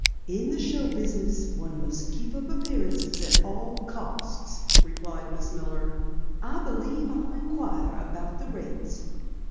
"In the show business one must keep up appearances at all cost," replied Miss Miller. "I believe I'll inquire about the rates."